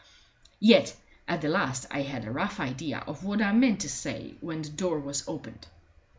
Yet at the last I had a rough idea of what I meant to say when the door was opened.